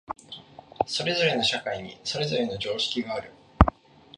それぞれの社会にそれぞれの常識がある。